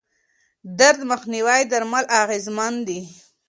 درد مخنیوي درمل اغېزمن دي.